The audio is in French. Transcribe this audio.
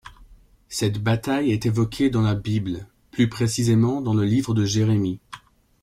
Cette bataille est évoquée dans la Bible, plus précisément dans le Livre de Jérémie.